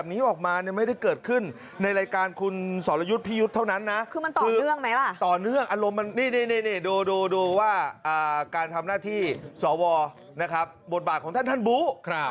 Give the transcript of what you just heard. นี่ดูว่าการทำหน้าที่สวศิริษักรบทบาทของท่านท่านบู๊